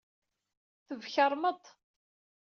Tbekkṛemt-d.